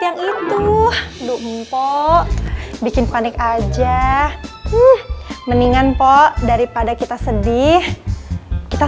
yang itu lho mpok bikin panik aja mendingan mpok daripada kita sedih kita